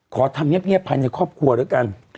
ขอทำเงียบภายในครอบครัวแล้วกัน